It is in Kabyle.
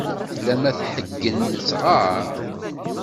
Tala ma tḥeggen tettɣar!